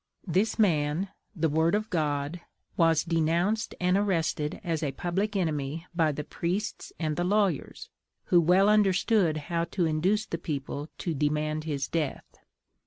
This man The Word of God was denounced and arrested as a public enemy by the priests and the lawyers, who well understood how to induce the people to demand his death.